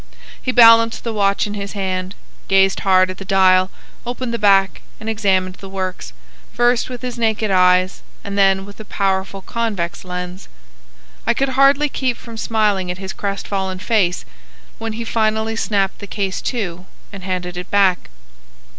He balanced the watch in his hand, gazed hard at the dial, opened the back, and examined the works, first with his naked eyes and then with a powerful convex lens. I could hardly keep from smiling at his crestfallen face when he finally snapped the case to and handed it back.